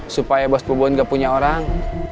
supaya bos pubuan gak punya orang